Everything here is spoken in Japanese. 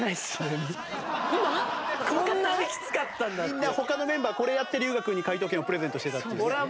みんな他のメンバーこれやって龍我君に解答権をプレゼントしてたっていう。